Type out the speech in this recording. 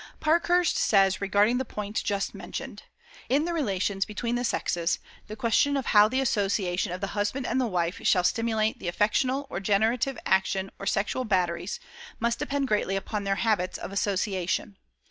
Parkhurst says regarding the point just mentioned: "In the relations between the sexes, the question of how the association of the husband and the wife shall stimulate the affectional or generative action or sexual batteries must depend greatly upon their habits of association.